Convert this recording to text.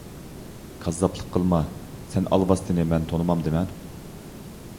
كاززاپلىق قىلما، سەن ئالۋاستىنى مەن تونۇمامدىمەن؟